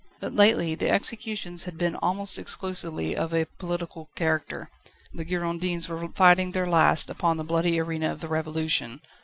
But lately the executions had been almost exclusively of a political character. The Girondins were fighting their last upon the bloody arena of the Revolution.